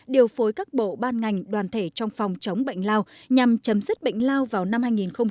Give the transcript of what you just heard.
điều phối các bộ ban ngành đoàn thể trong phòng chống bệnh lao nhằm chấm dứt bệnh lao vào năm hai nghìn ba mươi